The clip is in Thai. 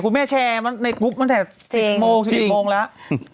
ผมแม่แชร์มันในกรุ๊ปมาแทบ๑๐โมงแล้ว